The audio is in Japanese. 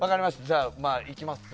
じゃあまあいきますわ。